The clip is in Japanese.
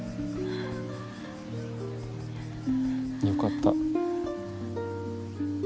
よかった。